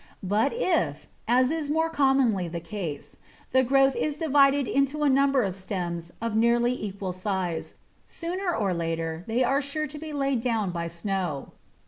But if, as is more commonly the case, the growth is divided into a number of stems of nearly equal size, sooner or later they are sure to be laid down by snow.